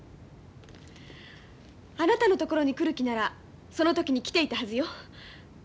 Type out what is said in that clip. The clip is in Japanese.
あなたのところに来る気ならその時に来ていたはずよ。